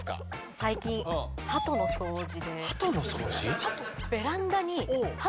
最近ハトの掃除？